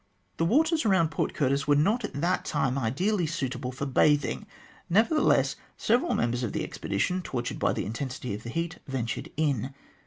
The waters around Port Curtis were not at that time ideally suitable for bathing, nevertheless several members of the expedition, tortured by the intensity of the heat, ventured in.